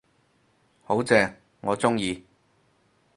好正，我鍾意